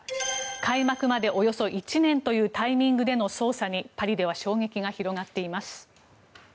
開幕までおよそ１年というタイミングでの捜査にパリでは衝撃が広がっています。